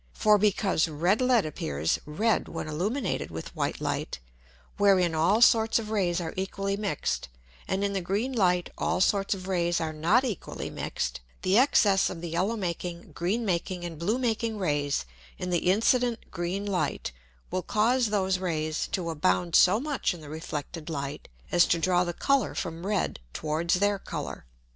For because red Lead appears red when illuminated with white Light, wherein all sorts of Rays are equally mix'd, and in the green Light all sorts of Rays are not equally mix'd, the Excess of the yellow making, green making and blue making Rays in the incident green Light, will cause those Rays to abound so much in the reflected Light, as to draw the Colour from red towards their Colour.